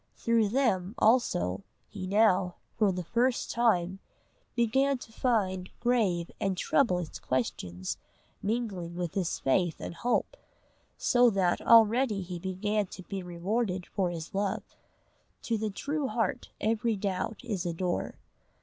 Through them, also, he now, for the first time, began to find grave and troublous questions mingling with his faith and hope; so that already he began to be rewarded for his love: to the true heart every doubt is a door.